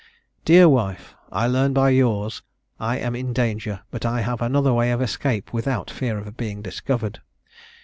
"DEAR WIFE, I learn by yours, I am in danger; but I have another way of escape without fear of being discovered.